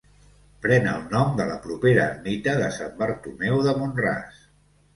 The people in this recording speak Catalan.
Pren el nom de la propera ermita de Sant Bartomeu de Mont-ras.